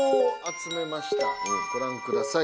ご覧ください